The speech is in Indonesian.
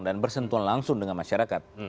dan bersentuhan langsung dengan masyarakat